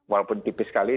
walaupun tipis sekali